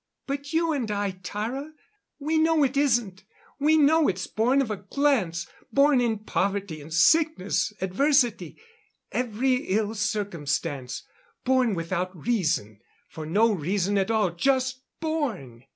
But you and I, Tara we know it isn't. We know it's born of a glance born in poverty and sickness adversity every ill circumstance born without reason for no reason at all. Just born!